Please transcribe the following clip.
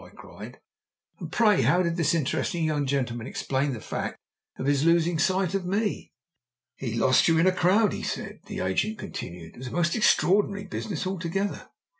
I cried. "And pray how did this interesting young gentleman explain the fact of his losing sight of me?" "He lost you in a crowd, he said," the agent continued. "It was a most extraordinary business altogether."